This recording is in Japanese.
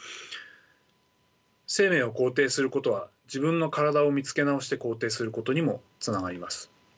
生命を肯定することは自分の体を見つけ直して肯定することにもつながります。